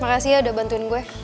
makasih ya udah bantuin gue